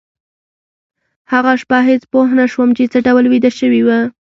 هغه شپه هېڅ پوه نشوم چې څه ډول ویده شوي وو